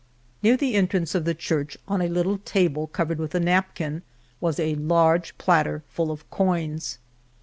Near the entrance of the church, on a little table covered with a napkin, was a large platter full of coins.